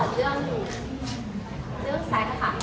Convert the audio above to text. เรื่องแซกซ่ะค่ะ